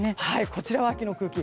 こちらは秋の空気。